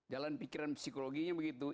jalan pikiran psikologinya begitu